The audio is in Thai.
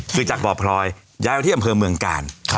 คือจากบ่อพลอยย้ายไปที่อำเภอเมืองกาล